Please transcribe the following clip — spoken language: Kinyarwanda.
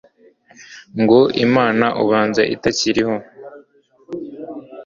ngo imana ubanza itakiriho